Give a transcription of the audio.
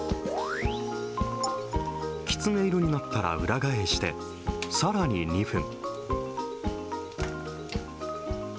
きつね色になったら裏返して、さらに２分。